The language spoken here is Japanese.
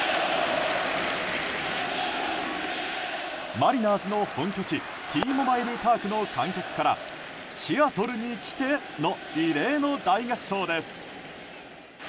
マリナーズの本拠地Ｔ‐モバイル・パークの観客から「シアトルに来て」の異例の大合唱です。